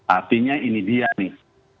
artinya ini dia nih